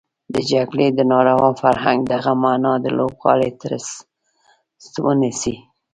د جګړې د ناروا فرهنګ دغه معتاد لوبغاړی تر څټ ونيسي.